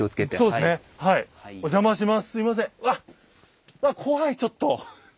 うわっ怖いちょっと。